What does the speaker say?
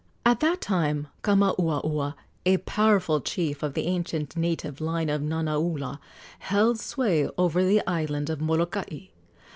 At that time Kamauaua, a powerful chief of the ancient native line of Nanaula, held sway over the island of Molokai.